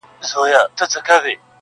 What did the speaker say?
پر کومي لوري حرکت وو حوا څه ډول وه.